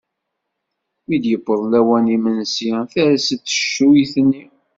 Mi d-yewweḍ lawan n yimensi ters-d teccuyt-nni.